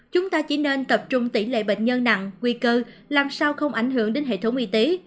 chúng ta chỉ nên tập trung tỷ lệ bệnh nhân nặng nguy cơ làm sao không ảnh hưởng đến hệ thống y tế